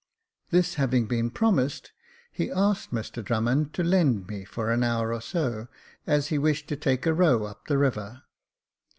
This having been promised, he asked Mr Drummond to lend me for an hour or so, as he wished to take a row up the river.